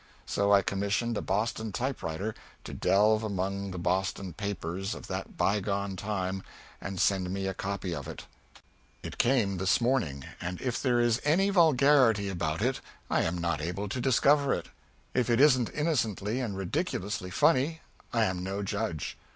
So I commissioned a Boston typewriter to delve among the Boston papers of that bygone time and send me a copy of it. It came this morning, and if there is any vulgarity about it I am not able to discover it. If it isn't innocently and ridiculously funny, I am no judge.